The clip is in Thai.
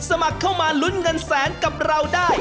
สมัครเข้ามาลุ้นเงินแสนกับเราได้